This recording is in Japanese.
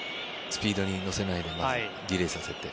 スピードに乗せないでディレイさせて。